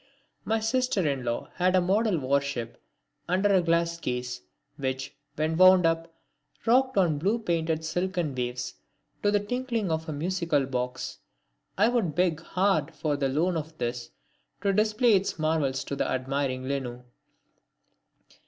My sister in law had a model war ship under a glass case, which, when wound up, rocked on blue painted silken waves to the tinkling of a musical box. I would beg hard for the loan of this to display its marvels to the admiring Lenu.